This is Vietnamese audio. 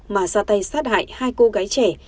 mà ra tay sát hại hai cô gái trẻ